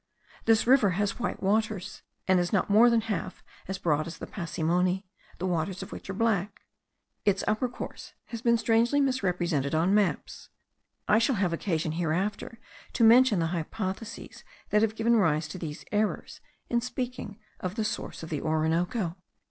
This river has white waters, and is not more than half as broad as the Pacimoni, the waters of which are black. Its upper course has been strangely misrepresented on maps. I shall have occasion hereafter to mention the hypotheses that have given rise to these errors, in speaking of the source of the Orinoco.